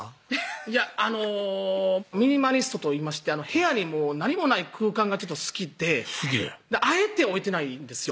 いやあのミニマリストといいまして部屋に何もない空間が好きであえて置いてないんですよ